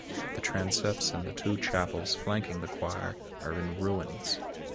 The transepts and the two chapels flanking the choir are in ruins.